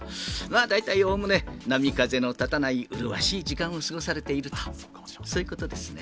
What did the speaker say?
大体、おおむね波風の立たない、麗しい時間を過ごされていると、そういうことですね？